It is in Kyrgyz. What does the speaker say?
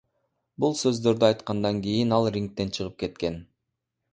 Бул сөздөрдү айткандан кийин ал рингден чыгып кеткен.